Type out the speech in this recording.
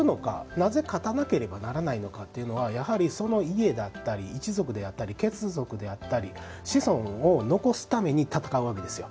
なぜ、勝たなければならないのかっていうのはやはり、その家だったり一族であったり血族であったり子孫を残すために戦うわけですよ。